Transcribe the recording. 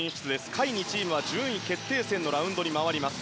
下位２チームは順位決定戦のラウンドに回ります。